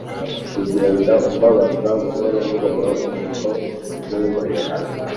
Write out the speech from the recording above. Ugenda umbabaza buhoro buhoro nuko nkwihorera